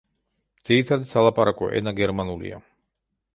ძირითადი სალაპარაკო ენა გერმანულია.